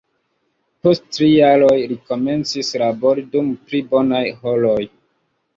Post tri jaroj, li komencis labori dum pli bonaj horoj.